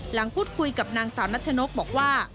หลังพูดคุยกับนางสาวนัชนกบอกว่า